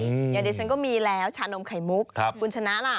อย่างเดี๋ยวฉันก็มีแล้วชานมไข่มุกคุณชนะล่ะ